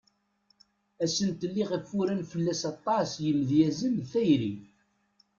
Asentel iɣef uran fell-as aṭas yimedyazen d tayri.